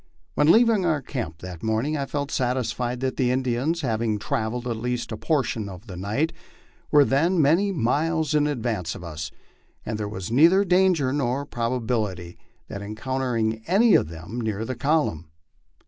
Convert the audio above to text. When leaving our camp that morning I felt satisfied that the Indians, having travelled at least a portion of the night, were then many miles in advance of us, and there was neither danger nor probability of en countering any of them near the column.